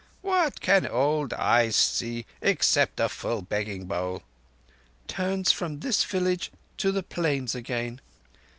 What can old eyes see except a full begging bowl?" "—turns from this village to the Plains again."